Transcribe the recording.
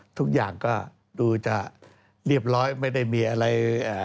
ทุกอย่างก็ดูจะเรียบร้อยไม่ได้มีอะไร